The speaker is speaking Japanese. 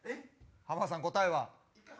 浜田さん答えは？